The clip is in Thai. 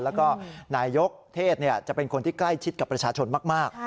แล้วก็นายยกเทศจะเป็นคนที่ใกล้ชิดกับประชาชนมาก